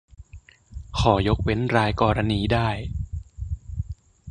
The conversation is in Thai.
ขอยกเว้นรายกรณีได้